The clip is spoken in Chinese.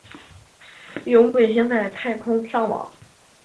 用卫星在太空上网